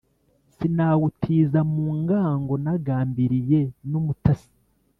Sinawutiza mu ngango nagambiliye n’umutasi